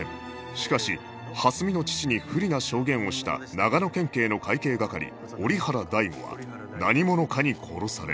しかし蓮見の父に不利な証言をした長野県警の会計係折原大吾は何者かに殺され